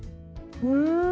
うん！